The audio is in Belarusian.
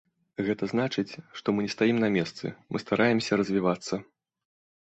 Гэта значыць, што мы не стаім на месцы, мы стараемся развівацца.